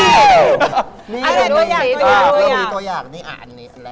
แล้วมีตัวอย่างที่สุดก็ก็อย่างนี้